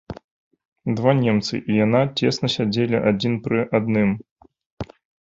Два немцы і яна цесна сядзелі адзін пры адным.